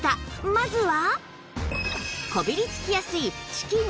まずは